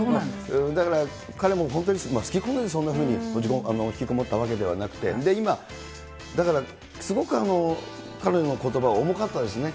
だから彼も本当に好き好んでそんなふうにひきこもったわけではなくて、今、だからすごく彼のことば、重かったですね。